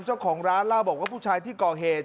เจ้าของร้านเล่าบอกว่าผู้ชายที่ก่อเหตุ